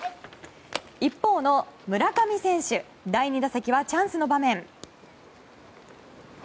一方の村上選手第２打席はチャンスの場面。